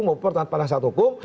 maupun pertanyaan penasihat hukum